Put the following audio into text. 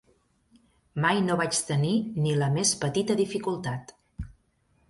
Mai no vaig tenir ni la més petita dificultat